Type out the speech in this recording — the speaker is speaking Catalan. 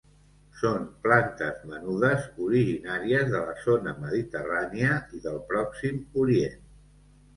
Són plantes menudes, originàries de la zona mediterrània i del Pròxim Orient.